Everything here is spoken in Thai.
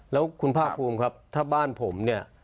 แล้วคุณภาคภูมิครับถ้าบ้านผมเนี่ย